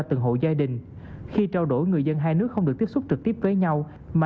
từng hộ gia đình khi trao đổi người dân hai nước không được tiếp xúc trực tiếp với nhau mà